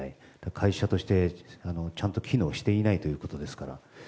会社として、ちゃんと機能していないということですから。